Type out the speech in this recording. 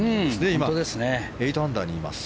今、８アンダーにいます。